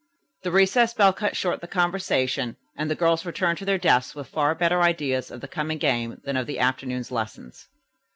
The recess bell cut short the conversation and the girls returned to their desks with far better ideas of the coming game than of the afternoon's lessons.